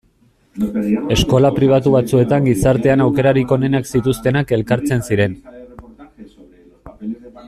Eskola pribatu batzuetan gizartean aukerarik onenak zituztenak elkartzen ziren.